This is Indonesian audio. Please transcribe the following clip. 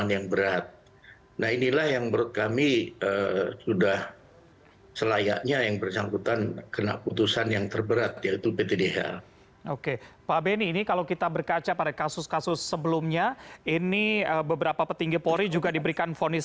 yang harusnya dia sebagai penegak